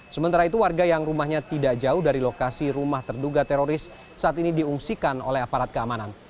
sementara itu warga yang rumahnya tidak jauh dari lokasi rumah terduga teroris saat ini diungsikan oleh aparat keamanan